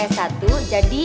oh ini aku tahu